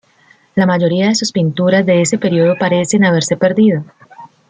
La mayoría de sus pinturas de ese periodo parecen haberse perdido.